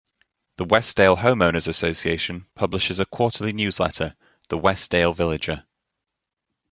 The Westdale Homeowners' Association publishes a quarterly newsletter, "The Westdale Villager".